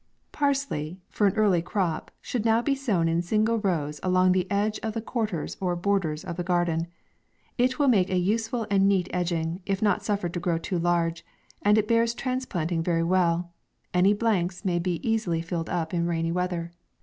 PARSLEY, for an early crop, should now be sown in sin gle rows, along the edge of the quarters, or borders of the garden. It will make an use ful and neat edging, if not suffered to grow too large, and as it bears transplanting very well, aftiy blanks may be easily filled up in rainy weather.